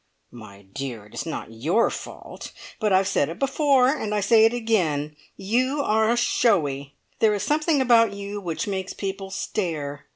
"My dear, it is not your fault, but I've said it before, and I say it again you are showy! There is something about you which makes people stare.